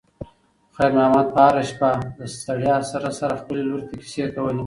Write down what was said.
خیر محمد به هره شپه د ستړیا سره سره خپلې لور ته کیسې کولې.